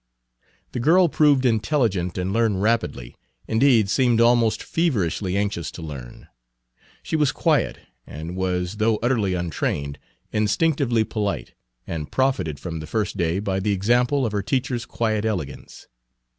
The girl proved intelligent and learned rapidly, indeed seemed almost feverishly anxious to learn. She was quiet, and was, though utterly untrained, instinctively polite, and profited from the first day by the example of her teacher's quiet elegance.